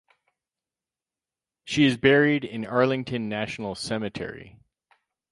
She is buried in Arlington National Cemetery.